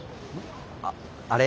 あっあれ